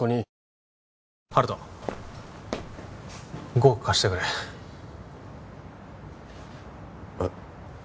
５億貸してくれえっ